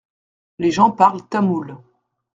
Les gens parlent tamoul.